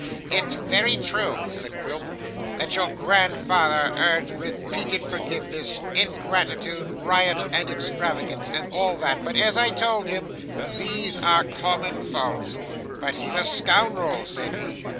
'It's very true,' said Quilp, 'that your grandfather urged repeated forgiveness, ingratitude, riot, and extravagance, and all that; but as I told him "these are common faults." "But he's a scoundrel," said he.